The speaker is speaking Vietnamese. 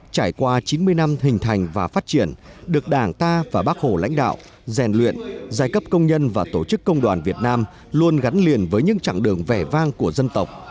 trải qua chín mươi năm hình thành và phát triển được đảng ta và bác hồ lãnh đạo rèn luyện giai cấp công nhân và tổ chức công đoàn việt nam luôn gắn liền với những chặng đường vẻ vang của dân tộc